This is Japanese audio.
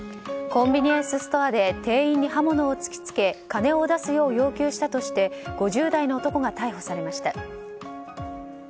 コンビニエンスストアで店員に刃物を突きつけ金を出すよう要求したとして５０代の男が逮捕されました。